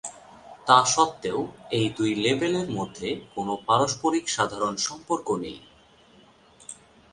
তা সত্বেও, এই দুই লেবেলের মধ্যে কোন পারস্পরিক সাধারণ সম্পর্ক নেই।